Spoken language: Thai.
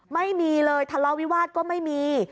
ไม่มีเลยทะเลาะวิวาสก็ไม่มี